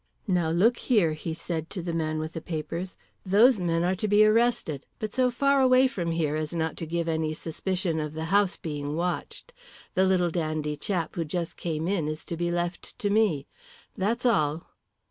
"Now, look here," he said to the man with the papers. "Those men are to be arrested, but so far away from here as not to give any suspicion of the house being watched. The little dandy chap who just came in is to be left to me. That's all."